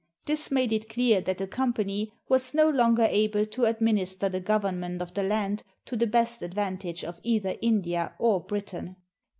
This made it clear that the Company was no longer able to administer the government of the land to the best advantage of either India or Britain.